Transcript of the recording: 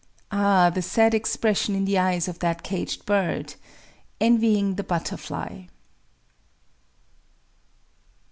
[_Ah, the sad expression in the eyes of that caged bird!—envying the butterfly!